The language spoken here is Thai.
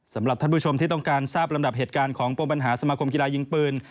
สำหรับท่านผู้ชมที่ต้องการทราบลำดับเหตุการณ์ของปมปัญหาสมาคมกีฬายิงปืน